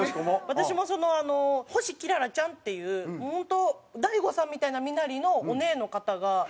私もその星キララちゃんっていう本当大悟さんみたいな身なりのオネエの方が。